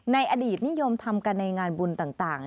ในอดีตนิยมทำกันในงานบุญต่าง